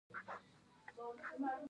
د لیتیم کانونه راتلونکی تضمینوي